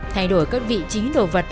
thay đổi các vị trí đồ vật